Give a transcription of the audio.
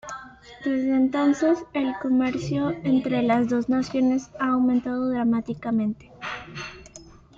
Desde entonces, el comercio entre las dos naciones ha aumentado dramáticamente.